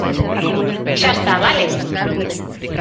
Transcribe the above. Xa está, vale?